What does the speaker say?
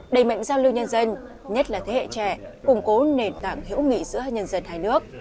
đẩy mạnh giao lưu nhân dân nhất là thế hệ trẻ củng cố nền tảng hữu nghị giữa nhân dân hai nước